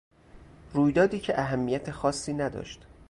رویدادی که اهمیت خاصی نداشت.